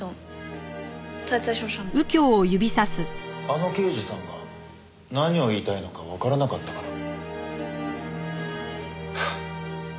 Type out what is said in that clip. あの刑事さんが何を言いたいのかわからなかったから。